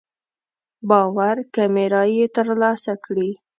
باور کمې رايې تر لاسه کړې.